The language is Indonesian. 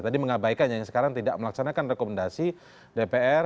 tadi mengabaikan yang sekarang tidak melaksanakan rekomendasi dpr